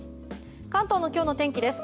関東の今日の天気です。